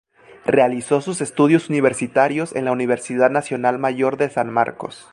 Realizó sus estudios universitarios en la Universidad Nacional Mayor de San Marcos.